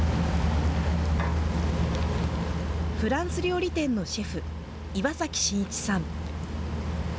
フランス料理店のシェフ、岩崎慎一さん。